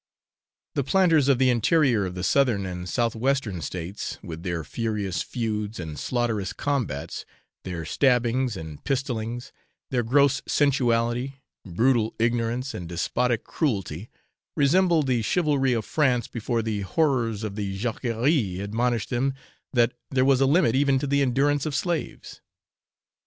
The planters of the interior of the Southern and South Western States, with their furious feuds and slaughterous combats, their stabbings and pistolings, their gross sensuality, brutal ignorance, and despotic cruelty, resemble the chivalry of France before the horrors of the Jacquerie admonished them that there was a limit even to the endurance of slaves.